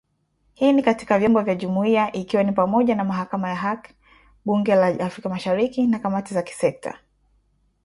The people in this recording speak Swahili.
Hii ni katika vyombo vya Jumuiya ikiwa ni pamoja na Mahakama ya Hak, Bunge la Afrika Mashariki na kamati za kisekta.